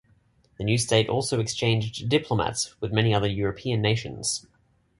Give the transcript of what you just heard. The new state also exchanged diplomats with many other European nations.